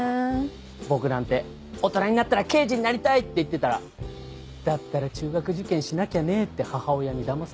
僕なんて大人になったら刑事になりたいって言ってたら「だったら中学受験しなきゃね」って母親にだまされて。